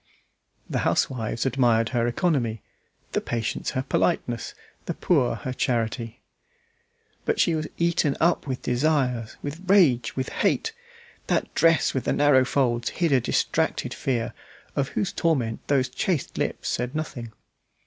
The housewives admired her economy, the patients her politeness, the poor her charity. But she was eaten up with desires, with rage, with hate. That dress with the narrow folds hid a distracted fear, of whose torment those chaste lips said nothing.